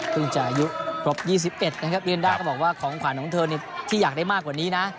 จะอายุครบ๒๑นะครับเรียนด้าก็บอกว่าของขวัญของเธอที่อยากได้มากกว่านี้นะ